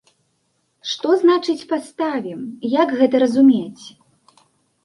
Што значыць паставім, як гэта разумець?